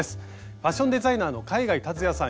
ファッションデザイナーの海外竜也さん